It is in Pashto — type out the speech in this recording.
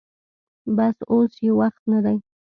بس اوس يې وخت نه دې.